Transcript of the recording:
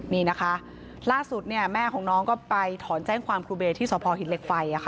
นี่นะคะล่าสุดแม่ของน้องก็ไปถอนแจ้งความครูเบย์ที่สพหินเหล็กไฟ